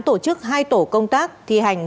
tổ chức hai tổ công tác thi hành